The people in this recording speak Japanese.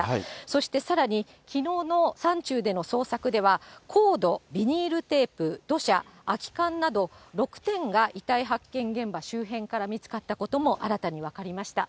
そして、さらにきのうの山中での捜索では、コード、ビニールテープ、土砂、空き缶など、６点が遺体発見現場周辺から見つかったことも新たに分かりました。